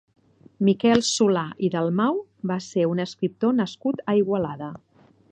Miquel Solà i Dalmau va ser un escriptor nascut a Igualada.